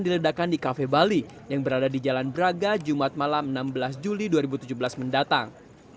diledakan di kafe bali yang berada di jalan braga jumat malam enam belas juli dua ribu tujuh belas mendatang